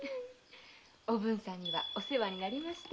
おぶんさんにはお世話になりました。